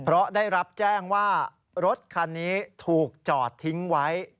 เพราะได้รับแจ้งว่ารถคันนี้ถูกจอดทิ้งไว้